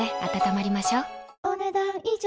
お、ねだん以上。